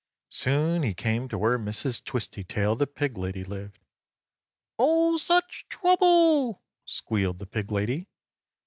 Soon he came to where Mrs. Twistytail the pig lady lived. "Oh such trouble!" squealed the pig lady.